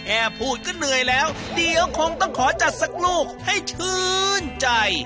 แค่พูดก็เหนื่อยแล้วเดี๋ยวคงต้องขอจัดสักลูกให้ชื่นใจ